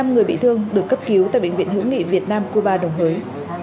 hai mươi năm người bị thương được cấp cứu tại bệnh viện hữu nghị việt nam cuba đồng hới